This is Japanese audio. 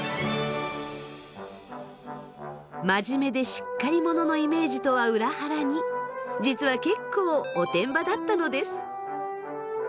真面目でしっかり者のイメージとは裏腹に実は結構おてんばだったのです。